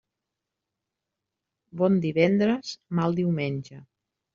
Bon divendres, mal diumenge.